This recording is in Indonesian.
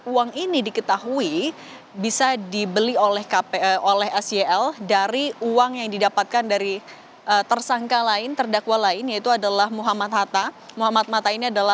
uang ini diketahui bisa dibeli oleh sel dari uang yang didapatkan dari tersangka lain terdakwa lain yaitu adalah muhammad hatta muhammad mata ini adalah